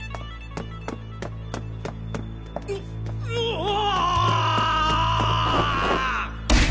ううわああ！